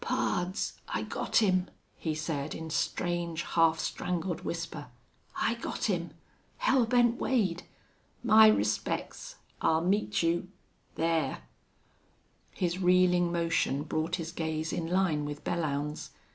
"Pards, I got him!" he said, in strange, half strangled whisper. "I got him!... Hell Bent Wade! My respects! I'll meet you thar!" His reeling motion brought his gaze in line with Belllounds.